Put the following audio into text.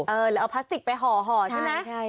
เออแล้วเอาพลาสติกไปห่อใช่ไหม